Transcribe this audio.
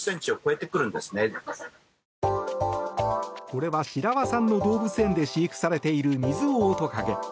これは白輪さんの動物園で飼育されているミズオオトカゲ。